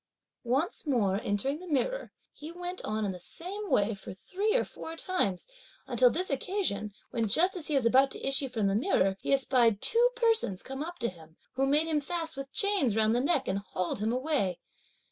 Once more entering the mirror, he went on in the same way for three or four times, until this occasion, when just as he was about to issue from the mirror, he espied two persons come up to him, who made him fast with chains round the neck, and hauled him away.